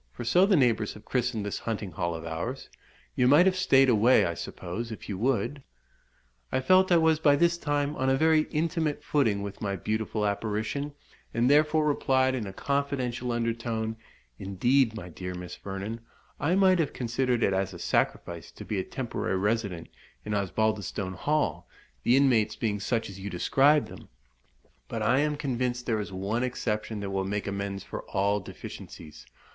for so the neighbours have christened this hunting hall of ours. You might have stayed away, I suppose, if you would?" I felt I was by this time on a very intimate footing with my beautiful apparition, and therefore replied, in a confidential under tone "Indeed, my dear Miss Vernon, I might have considered it as a sacrifice to be a temporary resident in Osbaldistone Hall, the inmates being such as you describe them; but I am convinced there is one exception that will make amends for all deficiencies."